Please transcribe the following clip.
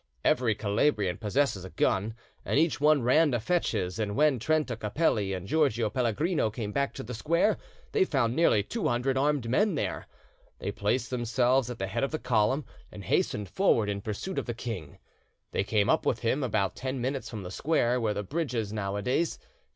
Every Calabrian possesses a gun, and each one ran to fetch his, and when Trenta Capelli and Giorgio Pellegrino came back to the square they found nearly two hundred armed men there. They placed themselves at the head of the column, and hastened forward in pursuit of the king; they came up with him about ten minutes from the square, where the bridge is nowadays.